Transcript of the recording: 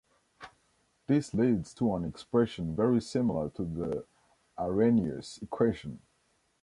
This leads to an expression very similar to the Arrhenius equation.